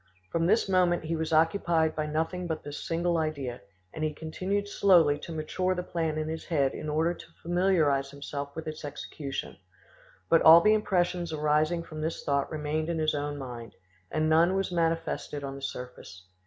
From this moment he was occupied by nothing but this single idea, and he continued slowly to mature the plan in his head in order to familiarise himself with its execution; but all the impressions arising from this thought remained in his own mind, and none was manifested on the surface.